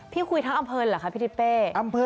พี่คุยทั้งอะเผิ่นเหรอคะพี่ทริปเป้อะเผอ